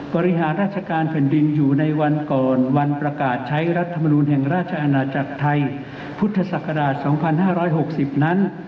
บริหารราชการแผ่นดินอยู่ในวันก่อนวันประกาศใช้รัฐมนูลแห่งราชอาณาจักรไทยพุทธศักราช๒๕๖๐นั้น